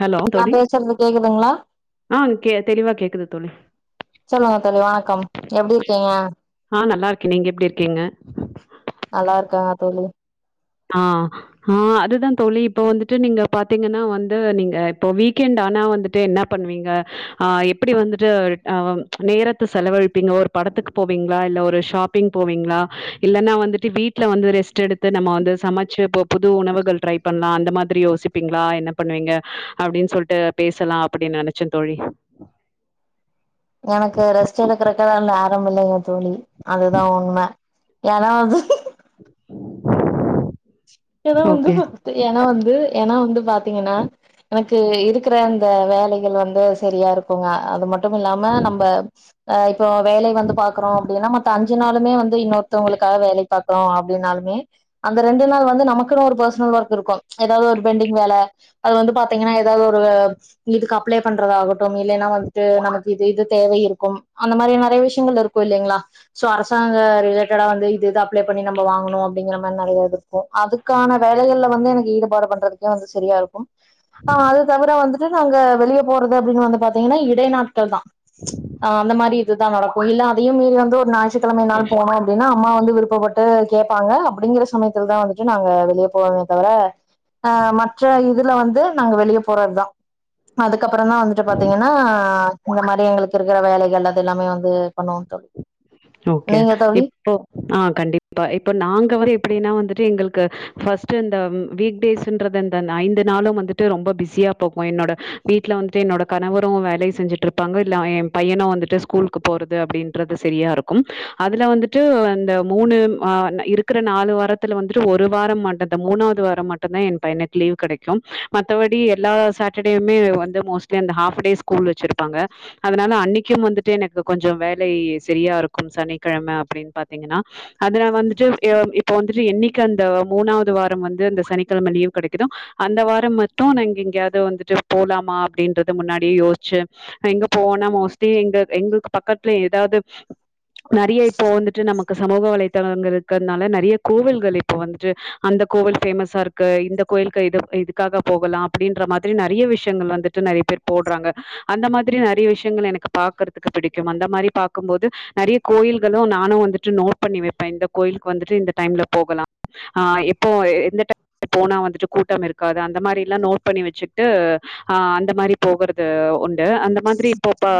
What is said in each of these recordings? hello நா தோடி பேசுறது கேக்குதுங்களா ஆ கே தெளிவா கேக்குது தோலி சொல்லுங்க தோழி வணக்கம் எப்டி இருக்கீங்க ஆ நல்லா நீங்க எப்டி இருக்கீங்க நல்லா இருக்காங்க தோழி ஆ ஆ ஆ அதுதா தோழி இப்போ வந்துட்டு நீங்க பாத்தீங்கன்னா வந்து நீங்க இப்போ வீக்கெண்ட் ஆனா வந்துட்டு என்ன பண்வீங்க ஆ எப்டி வந்துட்டு அ நேரத்த செலவழிப்பீங்க ஒரு படத்துக்கு போவீங்ளா இல்ல ஒரு ஷாப்பிங் போவீங்ளா இல்லனா வந்துட்டு வீட்ல வந்து ரெஸ்ட் எடுத்து நம்மோ வந்து சமைச்சு இப்போ புது உணவுகள் ட்ரை பண்லா அந்த மாதிரி யோசிப்பிங்ளா என்ன பண்வீங்க அப்டின் சொல்லிட்டு பேசலா அப்டின் நனைச்ச தோழி எனக்கு ரெஸ்ட் எடுக்கறக்கு இல்ல அப் நம்பில்லையா தோழி அதுதா உண்மை ஏனா அது ஏதோ வந்து ஓகே எனா வந்து எனா வந்து பாத்தீங்கன்னா எனக்கு இருக்ற அந்த வேலகள் வந்து செரியா இருக்குங்க அது மட் மட்டும் இல்லாம நம்ப அ இப்போ வேலை வந்து பாக்குறோ அப்டின்னா மத்த அஞ்சு நாளுமே வந்து இன்னொருத்தவுங்களுக்காக வேலை பாக் லோ அப்டினாலுமே அந்த ரெண்டு நாள் வந்து நமக்குனு ஒரு பர்சினல் ஒர்க் இருக்கும் எதாவது ஒரு பெண்டிங் வேல அது வந்து பாத்தீங்கன்னா ஏதாவது ஒரு இதுக்கு அப்லே பண்றதாகட்டும் இல்லனா வந்துட்டு நமக்கு இது இது தேவை இருக்கும் அந்த மாரி நறைய விஷயங்கள் இருக்கும் இல்லிங்லா சோ அரசாங்க ரிலேட்டா வந்து இது இது அப்லே பண்ணி நம்போ வாங்கனு அப்டிங்ற மாரி நறைய இருக்கும் அதுக் க்கான வேலைகள்ல வந்து எனக்கு ஈடுபாடு பண்றதுக்கே வந்து செரியா இருக்கும் ஆ அது தவர வந்துட்டு நாங்க வெளிய போறது அப்டின் வந்து பாத்தீங்கன்னா இடை நாட்கள் தா ஆ அந்த மாரி இதுதா நடக்கும் இல்ல அதையும் மீறி வந்து ஒரு ஞாய் தித்தலமை நாள் போனோ அப்டின்னா அம்மா வந்து விருப்பப்பட்டு கேட்பாங்க அப்டிங்ற சமயத்துல தா வந்து நாங்க வெளிய போவோமே தவிர ஆ மற்ற இதுல வந்து நாங்க வெளிய போறது தா அதுக்கப்புறம் தா வந்துட்டு பாத்தீங்கனா இந்த மாரி எங்ளுக்கு இருக்கற வேலைகள் அது எல்லாமே வந்து பண்ணுவோ தோழி ஜோக்கே நீங்க தோழி இப்போ ஆ கண்டிப்பா இப்ப நாங்க வர எப்டினா வந்துட் டு எங்கள்கு ஃபஸ்டு இந்த வீக் டேஸ்ன்றது இந்த நைந்து நாளும் வந்துட்டு ரொம்ப பிஸியா போகு என்னோட வீட்ல வந்துட்டு என்னோட கணவரும் வேலை செஞ்சுட்டிருப்பாங்க இல்ல அ எ பையனும் வந்துட்டு ஸ்கூலுக்கு போறது அப்டின்றது செரியாருக் கும் அதுல வந்துட்டு அந்த மூனு மா ந இருக்குற நாலு வாரத்துல வந்துட்டு ஒரு வாரம் மட்டத்த மூனாவது வாரம் மட்டும் தா எ பையனுக் லீவு கெடைக்கும் மத்தபடி எல்லா சாட்டர்டேயுமே வந்து மோஸ்டிலி இந்த ஆஃப்படே ஸ்கூல் வச்சிருப்பாங்க அதனால அன்னைக்கும் வந்துட்டு எனக்கு கொஞ்சோ வேலை செரியாருக் சனிக்கிழமை அப்படின்னு பாத்தீங்கன்னா அது வந்துட்டு இப்ப வந்துட்டு என்னைக்கு அந்த மூணாவது வாரம் வந்து அந்த சனிக்கிழமை லீவ் கிடைக்குதும் அந்த வாரம் மட்டும் நாங்க எங்கேயாவது வந்துட்டு போலாமா அப்படின்றது முன்னாடியே யோசிச்சு எங்க போவோனா மோஸ்ட்லி எங்க எங்களுக்கு பக்கத்துல ஏதாவது நிறைய இப்போ வந்துட்டு நமக்கு சமூக வலைதளங்கள் இருக்கிறதுனால நிறைய கோவில்கள் இப்போ வந்துட்டு அந்த கோவில் பேஃமஸா இருக்கு இந்த கோவிலுக்கு இது இதுக்காக போகலாம் அப்படின்ற மாதிரி நிறைய விஷயங்கள் வந்துட்டு நிறைய பேர் போடுறாங்க அந்த மாதிரி நிறைய விஷயங்கள் எனக்கு பாக்குறதுக்கு பிடிக்கும் அந்த மாதிரி பார்க்கும் போது நிறைய கோயில்களும் நானும் வந்துட்டு நோட் பண்ணி வைப்பேன் இந்த கோயிலுக்கு வந்துட்டு இந்த டைம்ல போகலாம் ஆஹ் இப்போ எந்த டைம்ல போனா வந்துட்டு கூட்டம் இருக்காது அந்த மாதிரி எல்லாம் நோட் பண்ணி வச்சுட்டு அஹ் அந்த மாதிரி போகறது உண்டு அந்த மாதிரி இப்போப்ப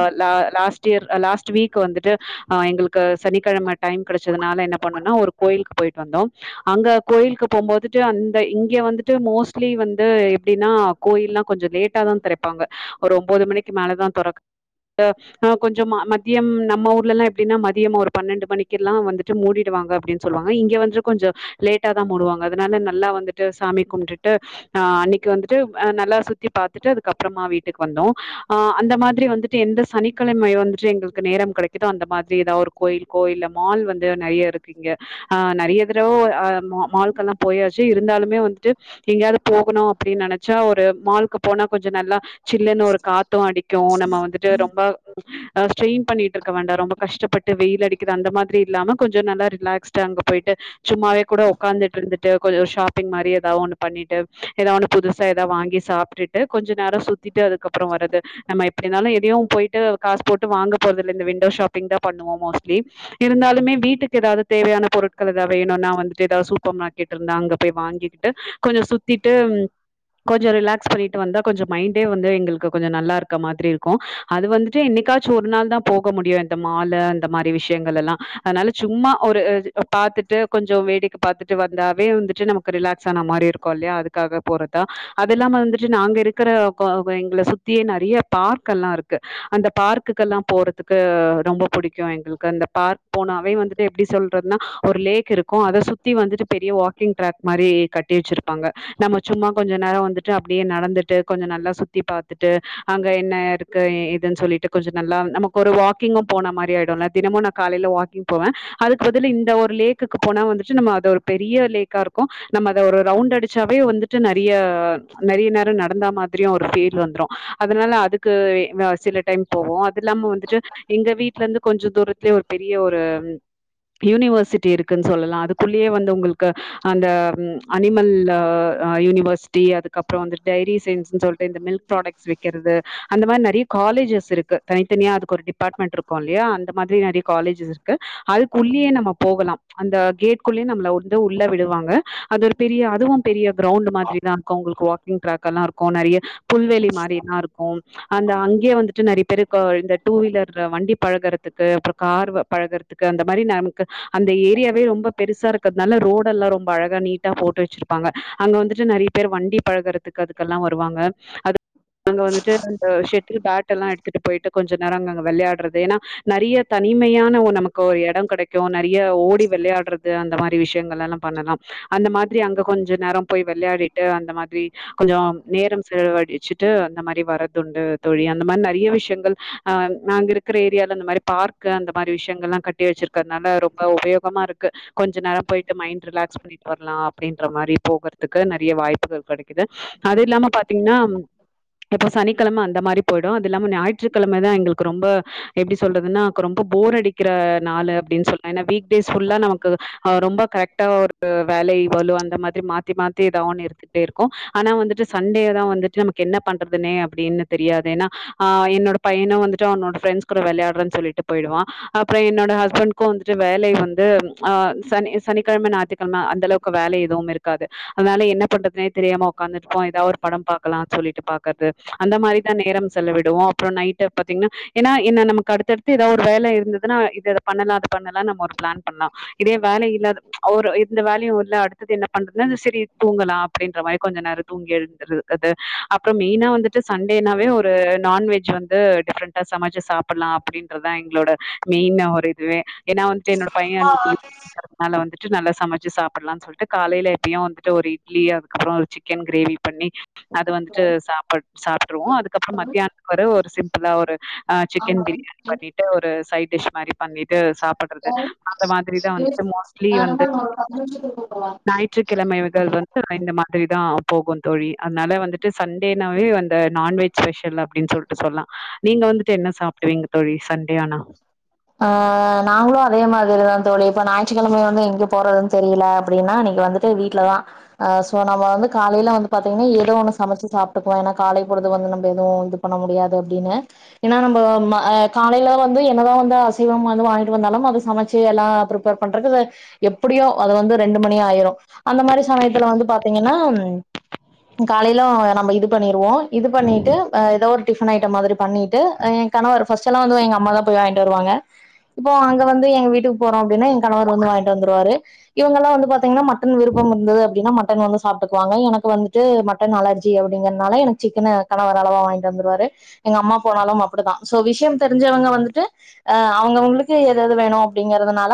லாஸ்ட் இயர் லாஸ்ட் வீக் வந்துட்டு ஹ எங்களுக்கு சனிக்கிழமை டைம் கிடைச்சதுனால என்ன பண்ணும்னா ஒரு கோயிலுக்கு போயிட்டு வந்தோம் அங்க கோயிலுக்கு போகும்போதுட்டு அந்த இங்க வந்துட்டு மோஸ்ட்லி வந்து எப்படின்னா கோயில்லாம் கொஞ்சம் லேட்டா தான் தெறப்பாங்க ஒரு ஒன்பது மணிக்கு மேலதான் திற கொஞ்சம் மத்தியம் நம்ம ஊர்லல்லாம் எப்படினா மதியமா ஒரு பன்னெண்டு மணிக்கெ எல்லாம் வந்துட்டு மூடிடுவாங்க அப்படின்னு சொல்லுவாங்க இங்க வந்துட்டு கொஞ்சம் லேட்டா தான் முடுவாங்க அதனால நல்லா வந்துட்டு சாமி கும்பிட்டு அஹ் அன்னைக்கு வந்துட்டு நல்லா சுத்தி பார்த்தட்டு அதுக்க அப்புறமா வீட்டுக்கு வந்தோம் அஹ் அந்த மாதிரி வந்துட்டு எந்த சனிக்கிழம வந்துட்டு எங்களுக்கு நேரம் கிடைக்குதோ அந்த மாதிரி எதா ஒரு கோயில் கோயில மால் வந்து நிறைய இருக்கு இங்க ஆஹ் நிறைய தடவ ஆஹ் மால்க எல்லாம் போயாச்சு இருந்தாலுமே வந்துட்டு எங்கயாவது போகணும் அப்படின்னு நினைச்சா ஒரு மால்கு போனா கொஞ்சம் நல்லா சில்லன்னு ஒரு காத்தும் அடிக்கும் நம்ம வந்துட்டு ரொம்ப ஸ்ட்டெயின் பண்ணிட்டு இருக்க வேண்டாம் ரொம்ப கஷ்டப்பட்டு வெயில் அடிக்குது அந்த மாதிரி இல்லாம கொஞ்சம் நல்லா ரிலாக்ஸ்ட் அங்கே போய்ட்டு சும்மாவே கூட உட்காந்துட்டு இருந்துட்டு கொஞ்சம் ஷாப்பிங் மாதிரி ஏதாவது ஒன்னு பண்ணிட்டு ஏதாவ ஒன்று புதுசாக ஏதாவது வாங்கி சாப்பிட்டுட்டு கொஞ்சம் நேரம் சுத்திட்டு அதுக்கப்புறம் வரது நாம எப்படி இருந்தாலும் எதையும் போயிட்டு காசு போட்டு வாங்க போறதில்லலை இந்த விண்டோ ஷாப் ஷாப்பிங் பண்ணுவோம் மோஸ்ட்டீலி இருந்தாலுமே வீட்டுக்கு ஏதாவது தேவையான பொருட்கள் எதாவது வேணும்னா வந்துட்டு எதாவது சூப்பர் மார்கெட் இருந்தா அங்க போய் வாங்கிட்டு கொஞ்சம் சுத்திட்டு கொஞ்சம் ரிலாக்ஸ் பண்ட்டு கொஞ்சம் ம வந்து கொஞ்சம் மைண்ட்டே வந்து எங்களுக்கு கொஞ்சம் நல்லா இருக்க மாதிரி இருக்கும் அது வந்துட்டு என்னைக்காச்சும் ஒரு நாள் தான் போக முடியும் மாலு அந்த மாதிரி விஷயங்கள் எல்லாம் அதனால சும்மா ஒரு பாரத்துட்டு கொஞ்சம் வேடிக்கை பாரத்துட்டு வந்தாவே வந்துட்டு நமக்கு ரிலாக்ஸ் ஆன மாதிரி இருக்கும் இல்லையா அதுக்காக போறதா அது இல்லாம வந்துட்டு நாங்க இருக்கிற எங்களை சுத்தியே நிறைய பார்க்க் எல்லாம் இருக்கு அந்த பார்க்குக்குெல்லாம் போறதுக்கு ரொம்ப பிடிக்கும் எங்களுக்கு அந்த பார்க் போனவை வந்துட்டு எப்படி சொல்றதுன்னா ஒரு லேக் இருக்கும் அத சுத்த சுத்தி வந்துட்டு பெரிய வாக்கிங் ட்ராக் மாரி கட்டி வச்சிருப்பாங்க நம்ம சும்மா கொஞ்சோ நேரோ வந்துட்டு அப்டியே நடந்துட்டு கொஞ்ச நல்லா சுத்தி பாத்துட்டு அங்க என்ன இருக்கு ஏதுன்னு சொல்லிட்டு கொஞ்ச நல்லா நமக்கு ஒரு வாக்கிங்கு தினமும் நான் காலையில வாக்கிங் போவேன் அதுக்கு பதிலா இந்த ஒரு லேக்கு போனா வந்துட்டு நம்ம அ ஒரு பெரிய லேக்கா இருக்கும் நம்ம அத ஒரு ரவுண்ட் அடிச்சாவே வந்துட்டு நிறைய நிறைய நேரம் நடந்த மாதிரியும் ஒரு பீல் வந்துரும் அதனால அதுக்கு சில டைம் போவோம் அது இல்லாம வந்துட்டு எங்க வீடல இருந்து கொஞ்ச தூரத்துலயே ஒரு பெரிய ஒரு யூனிவர்சிட்டி இருக்குன்னு சொல்லலாம் அதுக்குள்ளயே வந்து உங்களுக்கு அந்த அனிமல் யூனிவர்சிட்டி அதுக்கப்புறம் வந்து டைரி சயின்ஸ்ன்னு சொல்லிட்டு இந்த மில்க் ப்ராடக்ட்ஸ் விக்கிறது அந்த மாதிரி நிறைய காலேஜஸ் இருக்கு தனித்தனியா அதுக்கு ஒரு டிபார்ட்மெண்ட் இருக்கு இல்லையா அந்த மாதிரி நிறைய காலேஜஸ் இருக்கு அதுக்குள்ளேயே நம்ம போகலாம் அந்த கேட்குள்ளேயே நம்ம வந்து உள்ள விடுவாங்க அது ஒரு பெரிய அதுவும் பெரிய கிரௌண்ட் மாதிரி தான் உங்களுக்கு வாக்கிங் ட்ராக் எல்லா இருக்கும் நிறைய புல்வேலி மாதிரில்லாம் இருக்கும் அந்த அங்கேயே வந்துட்டு நிறைய பேரு டூ வீலர் வண்டி பழகறதுக்கு அப்புறம் கார் பழகுறதுக்கு அந்த மாதிரி நமக்கு அந்த ஏரியாவே ரொம்ப பெருசா இருக்கிறதுனால ரோடுல்லாம் ரொம்ப அழகா நீட்டா போட்டு வச்சிருப்பாங்க அங்கே வந்துட்டு நிறைய பேர் வண்டி பழகுறதுக்கு அதுக்கெல்லாம் வருவாங்க அது அங்க வந்துட்டு அ ஷட்டில் பேட் எல்லா எடுத்துட்டு போயிட்டு கொஞ்ச நேரம் அ வெளையாடுறது ஏன்னா நிறைய தனிமையான நமக்கு ஒரு இடம் கிடைக்கும் நிறைய ஓடி விளையாடுறது அந்த மாதிரி விஷயங்கள் எல்லா பண்ணலாம் அந்த மாதிரி அங்க கொஞ்சம் நேரம் போய் விளையாடிட்டு அந்த மாதிரி கொஞ்சம் நேரம் செலவடிச்சுட்டு அந்த மாதிரி வரறதுண்டு தோழி அந்த மாதிரி நிறைய விஷயங்கள் அஹ் நாங்க இருக்கிற ஏரியாலில இந்த மாதிரி பார்க்க அந்த மாதிரி விஷயங்கள்ல்லாம் கட்டி வச்சிருக்கிறதுனால ரொம்ப உபயோகமா இருக்கு கொஞ்ச நேரம் போயிட்டு மைண்ட் ரிலாக்ஸ் பண்ணிட்டு வரலாம் அப்படின்ற மாதிரி போகறதுக்கு நிறைய வாய்ப்புகள் கிடைக்கிது அது இல்லாம பாத்தீங்கன்னா இப்போ சனிக்கிழமை அந்த மாதிரி போயிடும் அது இல்லாம ஞாயிற்றுக்கிழமைதா எங்களுக்கு ரொம்ப எப்படி சொல்றதுனா ரொம்ப போர் அடிக்கிற நாள் அப்படின்னு சொல்லிட்டு நமக்கு ரொம்ப கரெக்டா ஒரு வேலை பளு அந்த மாதிரி மாத்தி மாத்தி ஏதாவது ஒன்னு இருந்துட்டே இருக்கும் ஆனா வந்துட்டு சண்டே தான் வந்துட்டு நமக்கு என்ன பண்றதுனு அப்படின்னு தெரியாது ஏன்னாஹ் என்னோட பையன வந்து அவனோட ஃப்ரெண்ட்ஸ் கூட விளையாடுறேன்னு சொல்லிட்டு போயிடுவான் அப்புறம் என்னோட ஹஸ்பண்ட வந்துட்டு வேலை வந்து சனி சனிக்கிழமை ஞாயிறுக்கிழமை அந்தளவுக்கு வேலை எதுவும் இருக்காது அதனால என்ன பண்றதுனே தெரியாம ஒக்காந்து இருப்போம் ஒரு படம் பார்க்கலாம்னு சொல்லிட்டு அந்த மாதிரி தான் நேரம் செவிடுவோம் அப்புறம் நைட்டு பார்த்தீங்கன்னா என்ன நமக்கு அடுத்தடுத்து ஏதாது ஒரு வேலை இருந்ததுன்னா இது பண்ணலாம் அது பண்ணலாம் நம்ம ஒரு பிளான் பண்ணலாம் இதே வேலை இல்ல ஒரு வேலையு இல்ல அடுத்தது என்ன பண்றதுன்ன செரி தூங்கலாம் அப்படின்ற மாதிரி கொஞ்ச நேரம் தூங்கி எழுந்திருக்குறது அப்புறம் மெயினா வந்துட்டு சண்டேனாவே ஒரு நான்வெஜ் வந்து டிஃப்ரெண்டா சமைச்சு சாப்பிடலாம் அப்படின்றதா எங்களோட மெயின் ஒரு இதுவே ஏன்னா வந்துட்டு என்னோட பையன்மேல வந்துட்டு ட்டு நல்லா சமைச்சி சாப்பிட்லாம்னு சொல்லிட்டு காலையில் எப்பயும் வந்துட்டு ஒரு இட்லி அதுக்கப்புறம் சிக்கன் கிரேவி பண்ணி அது வந்துட்டு சாப்பாடு சாப்பிட்ருவோம் அதுக்கப்புறம் மத்தியானத்துக்கு வேற ஒரு நல்லா ஒரு ஆஹ சிக்கன் ஆமா பிரியாணி பண்ணிட்டு ஒரு சைட் டிஸ் மாரி பண்ணிட்டு சாப்பிடுறது அந்த மாதிரிதான் வந்துட்டு மோஸ்ட்லி ஆ வந்து மேம் ஒரு பத்து நிமிஷத்துல கூப்படவா ஞாயிற்றுக்கிழமைகள் வந்து இந்த மாதிரிதான் போகும் தோழி அதனால வந்துட்டு சண்டேனாவே வந்த நான்வெஜ் ஸ்பெஷல் அப்படின்னு சொல்லிட்டு சொல்லலாம் நீங்க வந்துட்டு என்ன சாப் ஆ நாங்களு அதே மாரிதா தோழி இப்ப ஞாயிற்றுக்கிழம வந்து எங்க போறதுன் தெரியல அப்டின்னா இன்னிக்கு வந்துட்டு வீட்டுல தா ஆ சோ நம்ம வந்து காலையல வந்து பாத்தீங்கன்னா ஏதோ ஒண்ணு சமைச்சு சாப்ட்டுக்குவோ ஏனா காலை பொழுது வந்து நம்ம எதுவு இது பண்ண முடியாது அப்டின்னு ஏனா நம்ப ம ஆ காலையல வந்து என்ன தா வந்து அசைவம் வந்து வாங்கிட்டு வந்தாலு அத சமைச்சு எல்லா ப்ரிப்பேர் பண்றக்கு எப்டியோ அது வந்து ரெண்டு மணி ஆயிரு அந்த மாரி சமயத்துல வந்து பாத்தீங்கன்னா ம் காலையல நம்ப இது பண்ணிருவோ இது பண்ணிட்டு அ ஏதோ ஒரு டிஃபன் ஐட்ட மாதிரி பண்ணிட்டு எ கணவர் ஃபஸ்ட் எல்லா வந்து எங்க அம்மா தா போய் வாங்கிட்டு வருவாங்க இப்போ அங்க வந்து எங்க வீட்டுக்கு போறோ அப்டினா எங் கணவர் வந்து வாங்கிட்டு வந்துரூவாரு இவங்கல்லா வந்து பாத்தீங்கன்னா மட்டன் விருப்ப இருந்தது அப்டின்னா மட்டன் வந்து சாப்ட்டுக்குவாங்க எனக்கு வந்துட்டு மட்டன் அலர்ஜி அப்டிங்கறதனால எனக்கு சிக்கன் கணவர் அளவா வாங்கிட்டு வந்துருவாரூ எங்க அம்மா போனாலு அப்டி தா போ விஷயம் தெரிஞ்சவங்க வந்துட்டு அவுங்கவுங்களுக்கு எது எது வேணு அப்டிங்கறதுனால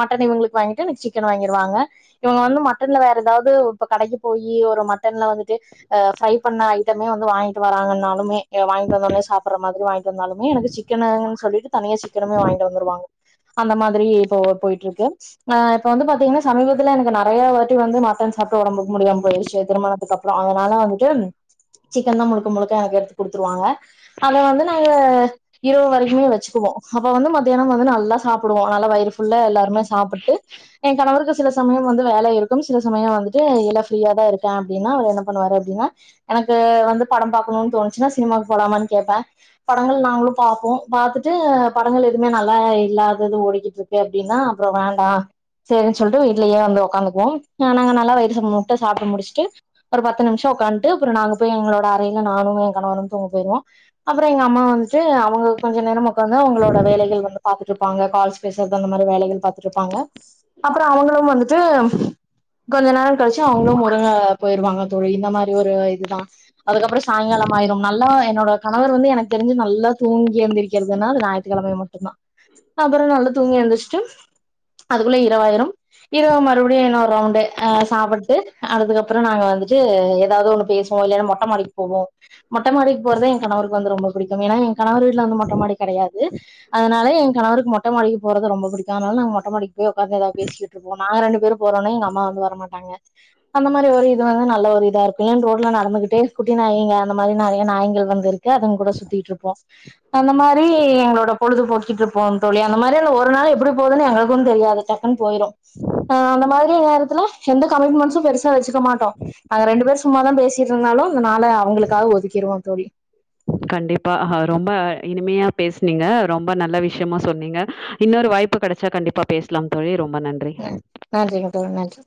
மட்டன் இவங்களுக்கு வாங்கிட்டு என்னக் சிக்கன் வாங்கிருவாங்க இவங்க வந்து மட்டன்ல வேற ஏதாது இப்ப கடைக்கு போயி ஒரு மட்டன்ல வந்துட்டு அ ஃப்ரை பண்ண ஐட்டமே வந்து வாங்கிட்டு வராங்கன்னாலுமே வாங்கிட்டு வந்தோடனே சாப்டுற மாரி வாங்கிட்டு இருந்தாலுமே எனக்கு சிக்கன்னு சொல்லிட்டு தனியா சிக்கனுமே வாங்கிட்டு வந்துருவாங்க அந்த மாதிரி இப்போ போயிட்ருக்கு ஆ இப்ப வந்து பாத்தீங்கன்னா சமீபத்துல எனக்கு நறையா வாட்டி வந்து மட்டன் சாப்ட்டு ஒடம்புக்கு முடியாம போயிருச்சி திருமணத்துக்கு அப்புறம் அதனால வந்துட்டு சிக்கன் தா முழுக்க முழுக்க எனக்கு எடுத்து குடுத்துருவாங்க அத வந்து நாங்க இரவு வரைக்குமே வச்சுக்குவோ அப்ப வந்து மத்தியானம் வந்து நல் நல்லா சாப்புடுவோ நல்ல வயிறு ஃபுல்ல எல்லாருமே சாப்புட்டு எ கணவருக்கு சில சமய வந்து வேல இருக்கும் சில சமய வந்துட்டு இல்ல ஃப்ரீயா தா இருக்கே அப்டின்னா அவர் என்ன பண்ணுவாரு அப்டின்னா எனக்கு வந்து பட பாக்கணுன் தோனுச்சினா சினிமாவுக்கு போலாமானு கேப்பே படங்கள் நாங்களு பாப்போ பாத்துட்டு படங்கள் எதுவுமே நல்லா இல்லாதது ஓடிக்கிட்டு இருக்கு அப்டின்னா அப்புற வேண்டா சரின் சொல்ட்டு வீட்லயே வந்து ஓக்காந்துக்குவோம் நாங்க நல்லா வயிறு முட்ட சாப்ட்டு முடிச்சுட்டு ஒரு பத்து நிமிஷ ஓக்கான்ட்டு அப்புற நாங்க போய் எங்களோட அறையல நானு என் கணவரு தூங்க போயிருவ அதுக் இந்த எங்க அம்மா வந்துட்டு அவுங்க கொஞ்ச நேர ஓக்காந்து அவுங்களோட வேலைகள் வந்து பாத்துட்டு இருப்பாங்க கால்ஸ் பேசறது அந்த மாரி வேலைகள் பாத்துட்டு இருப்பாங்க அப்புற அவுங்களும் வந்துட்டு ம் கொஞ்ச நேர கழிச்சு அவுங்களும் ஒழுங்க போயிருவாங்க தோழி இந்த மாரி ஒரு இதுதா அதுக்கப்புற சாயங்காலம் ஆயிரு நல்லா என்னோட கணவர் வந்து எனக்கு தெரிஞ்சி நல்லா தூங்கி எழுந்திகிறதுனா அது ஞாய்த்துகிழம மட்டு தா அப்பற நல்லா தூங்கி எழுந்ச்சுட்டு அதுக்குள்ள இரவாயிரும் இரவு மறுபடியு இன்னோரு ரவுண்டு அ சாப்புட்டு அதுக்கப்பற நாங்க வந்துட்டு ஏதாவது ஒண்ணு பேசுவோ இல்லனா மொட்ட மாடிக்கு போவோ மொட்ட மாடிக்கு போறது என் கணவருக்கு வந்து ரொம்ப புடிக்கும் ஏனா என் கணவர் வீட்டு வந்து மொட்டமாடி கெடையாது அதனால எ கணவருக்கு மொட்ட மாடிக்கு போறது ரொம்ப புடிக்கு அதனால நாங்க மொட்ட மாட்டிக்கு போய் ஓக்காந்து ஏதாவது பேசிக்கிட்டு இருப்போ நாங்க ரெண்டு பேரு போறோன்னு எங்க அம்மா வந்து வரமாட்டாங்க அந்த மாரி ஒரு இது வந்து நல்ல ஒரு இத இருக்கு இ ஏன்ன ரோட்ல நடந்துகிட்டு குட்டி நாயிங்க அந்த மாரி நெறைய நாய்ங்கள் வந்துருக்கு அதுங்க கூட சுத் சுத்திட்ருப்போ அந்த மாரி ஏ எங்ளோட பொழுது போக்கிட்ருப்போ தோழி அந்த மாரி ஒரு நாள் எப்டி போதுன் எங்களுக்கு தெரியாது டக்குன்னு போயிரு அந்த மாரி நேரத்துல எந்த கமிட்மெண்ட்ஸும் பெருசா வச்சுக்க மாட்டோ நாங்க ரெண்டு பேரு சும்மாதா பேசிட் இருந்தாலு அந்த நாள அவுங்களுக்காக ஒதுக்கிருவோ தோழி கண்டிப்பா அ ரொம்ப இனிமையா பேஸ்னீங்க ரொம்ப நல்ல விஷயமா சொன்னீங்க இன்னொரு வாய்ப்பு கெடைச்சா கண்டிப்பா பேசலா தோழி ரொம்ப நன்றி ஆ நன்றி மிக்க நன்றி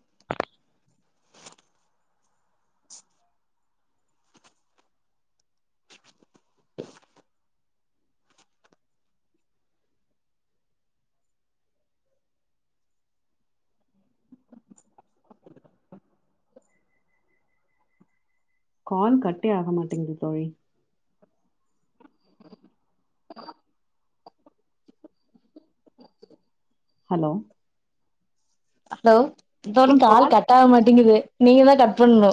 கால் கட்டே ஆக மாட்டேங்குது தோழி உ [inaudible] ஹலோ ஹலோ ஆ தோழி கா கால் கட்ட ஆக மாட்டேங்கிது நீங்க தா கட் பண்ணு